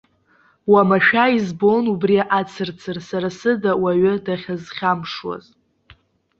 Уамашәа избон убри ацырцыр сара сыда уаҩы дахьазхьамԥшуаз.